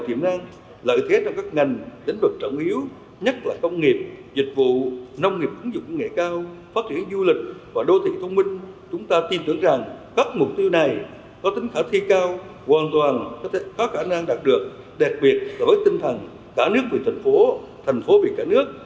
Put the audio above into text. hoàn toàn có khả năng đạt được đẹp biệt đối với tinh thần cả nước về thành phố thành phố về cả nước